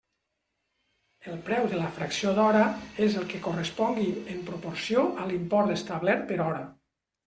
El preu de la fracció d'hora és el que correspongui en proporció a l'import establert per hora.